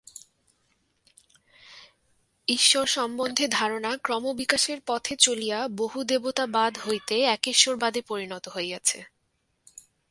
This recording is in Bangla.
ঈশ্বর সম্বন্ধে ধারণা ক্রমবিকাশের পথে চলিয়া বহুদেবতাবাদ হইতে একেশ্বরবাদে পরিণত হইয়াছে।